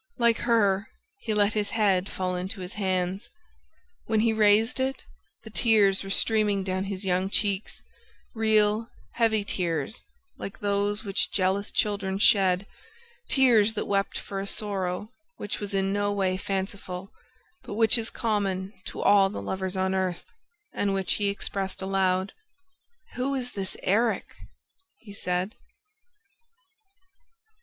Like her, he let his head fall into his hands. When he raised it, the tears were streaming down his young cheeks, real, heavy tears like those which jealous children shed, tears that wept for a sorrow which was in no way fanciful, but which is common to all the lovers on earth and which he expressed aloud: "Who is this Erik?" he said.